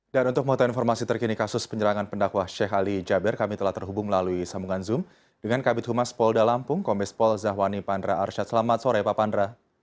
dan untuk mota informasi terkini kasus penyerangan pendakwah sheikh ali jabir kami telah terhubung melalui sambungan zoom dengan kabit humas paul dalampung komis paul zahwani pandra arsyad selamat sore pak pandra